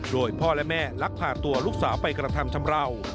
โดยพ่อและแม่ลักพาตัวลูกสาวไปกระทำชำราว